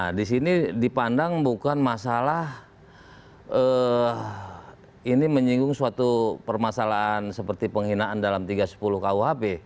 nah di sini dipandang bukan masalah ini menyinggung suatu permasalahan seperti penghinaan dalam tiga ratus sepuluh kuhp